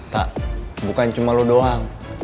tak bukan cuma lo doang